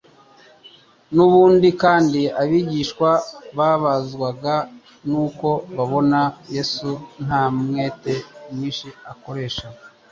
N'ubundi kandi abigishwa bababazwaga n'uko babona Yesu nta mwete mwinshi akoresha